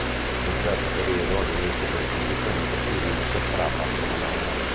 Per un certo periodo, all'inizio del Cinquecento, qui visse Fra Bartolomeo.